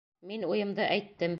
Мин уйымды әйттем.